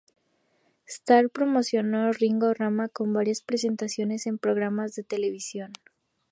Starr promocionó "Ringo Rama" con varias presentaciones en programas de televisión.